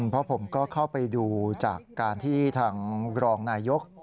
เพราะผมก็เข้าไปดูจากการที่ทางรองนายก